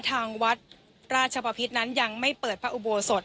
ทางวัดราชบพิษนั้นยังไม่เปิดพระอุโบสถ